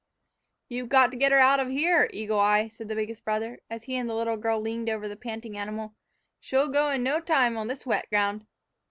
"You've got to get her out o' here, Eagle Eye," said the biggest brother, as he and the little girl leaned over the panting animal; "she'll go in no time on this wet ground.